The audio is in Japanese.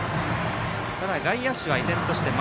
ただ外野手は依然として前。